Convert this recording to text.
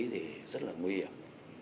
thì rất là nguy hiểm